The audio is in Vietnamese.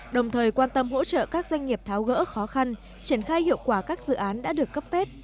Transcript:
đồng thời quan tâm hỗ trợ các doanh nghiệp tháo gỡ khó khăn triển khai hiệu quả các dự án đã được cấp phép